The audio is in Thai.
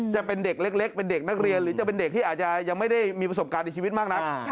จะเป็นเด็กเล็กเป็นเด็กนักเรียนหรือจะเป็นเด็กที่อาจจะยังไม่ได้มีประสบการณ์ในชีวิตมากนัก